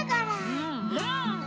うんうん。